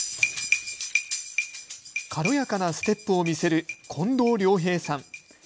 軽やかなステップを見せる近藤良平さん。